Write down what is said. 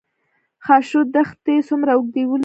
خاشرود دښتې څومره اوږدوالی لري؟